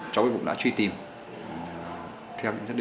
theo những nhất định